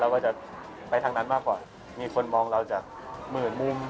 ว่าจะไปทางนั้นมากกว่ามีคนมองเราจากหมื่นมุม